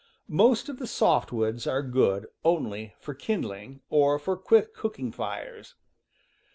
Most of the softwoods are good only for kindling, or for quick cooking fires.